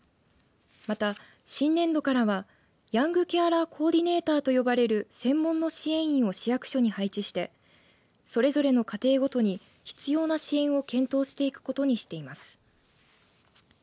また、新年度からはヤングケアラーコーディネーターと呼ばれる専門の支援員を市役所に配置してそれぞれの家庭ごとに必要な支援を検討していくことにしています。